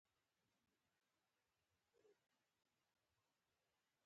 خلکو ته یې لاره ښودله.